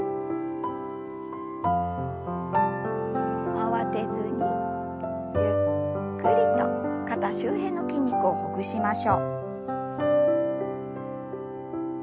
慌てずにゆっくりと肩周辺の筋肉をほぐしましょう。